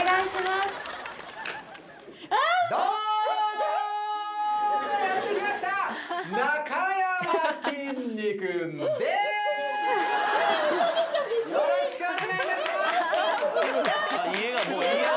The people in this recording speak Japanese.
ああっえっよろしくお願いいたします